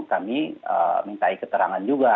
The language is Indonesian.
kami minta keterangan juga